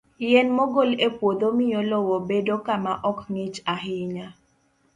Yien mogol e puodho miyo lowo bedo kama ok ng'ich ahinya.